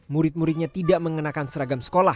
murid muridnya tidak mengenakan seragam sekolah